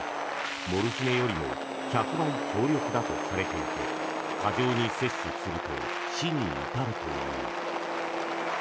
モルヒネよりも１００倍強力だとされていて過剰に摂取すると死に至るという。